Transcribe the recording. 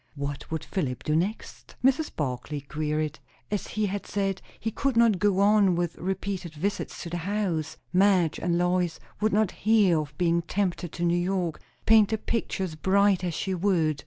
What would Philip do next? Mrs. Barclay queried. As he had said, he could not go on with repeated visits to the house. Madge and Lois would not hear of being tempted to New York, paint the picture as bright as she would.